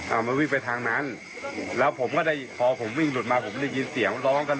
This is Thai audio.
เอามันวิ่งไปทางนั้นแล้วผมก็ได้พอผมวิ่งหลุดมาผมได้ยินเสียงร้องกัน